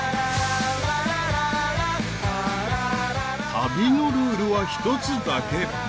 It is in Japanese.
［旅のルールは一つだけ］